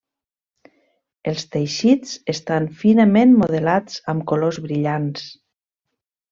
Els teixits estan finament modelats amb colors brillants.